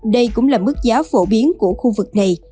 đây cũng là mức giá phổ biến của khu vực này